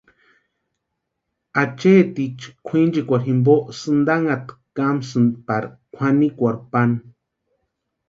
Acheeticha kwʼinchikwa jimpo sïntanhakwa kamansïni pari kwʼanikwarhu pani.